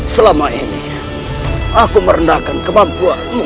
selama ini aku merendahkan kemampuanmu